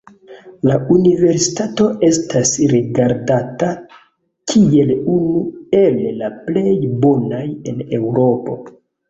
La universitato estas rigardata kiel unu el la plej bonaj en Eŭropo.